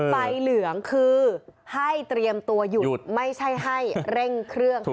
เหลืองคือให้เตรียมตัวหยุดไม่ใช่ให้เร่งเครื่อง